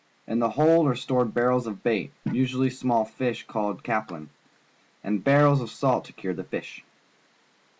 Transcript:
In the hold are stored barrels of bait, usually small fish called caplin, and barrels of salt to cure the fish.